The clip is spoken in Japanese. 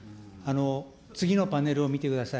次のパネルを見てください。